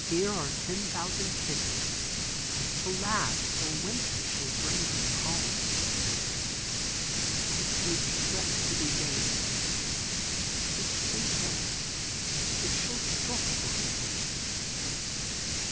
Here are ten thousand kisses to last till winter shall bring him home." "My coach frets to be going. But this winter it shall stop for a season."